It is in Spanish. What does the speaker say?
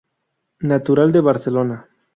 Natural de Barcelona.